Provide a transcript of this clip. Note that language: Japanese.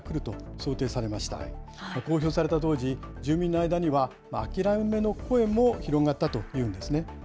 公表された当時、住民の間には諦めの声も広がったというんですね。